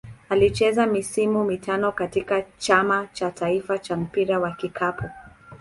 Alicheza misimu mitano katika Chama cha taifa cha mpira wa kikapu.